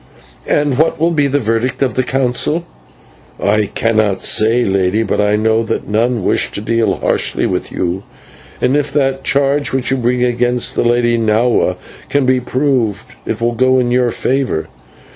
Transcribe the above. "And what will be the verdict of the Council?" "I cannot say, lady, but I know that none wish to deal harshly with you, and if that charge which you bring against the Lady Nahua can be proved, it will go in your favour.